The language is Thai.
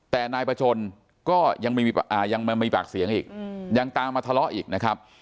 แต่นายประชนก็ยังมีปากเสียงอีกยังตามมาทะเลาะอีกนะครับ